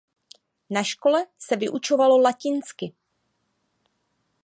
Na škole se vyučovalo latinsky.